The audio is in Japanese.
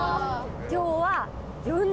今日は。